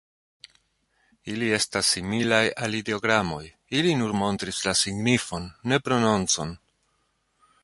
Ili estas similaj al ideogramoj: ili nur montris la signifon, ne prononcon.